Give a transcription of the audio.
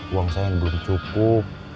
uang saya yang belum cukup